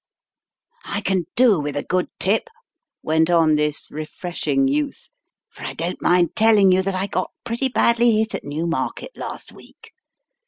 "I can do with a good tip," went on this refreshing youth, "for I don't mind telling you that I got pretty badly hit at Newmarket last week.